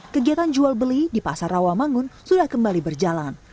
kegiatan jual beli di pasar rawamangun sudah kembali berjalan